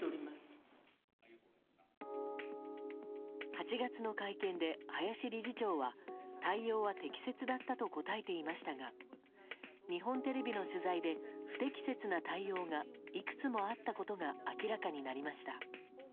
８月の会見で林理事長は対応は適切だったと答えていましたが日本テレビの取材で不適切な対応がいくつもあったことが明らかになりました。